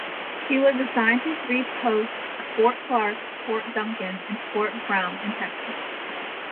He was assigned to three posts-Fort Clark, Fort Duncan, and Fort Brown-in Texas.